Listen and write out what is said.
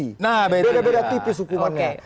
tidak ada beda beda tipis hukumannya